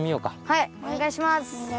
はいおねがいします。